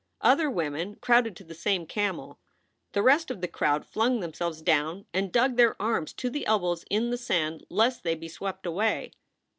Other women crowded to the same camel. The rest of the crowd flung themselves down and dug their arms to the elbows in the sand lest they be swept away.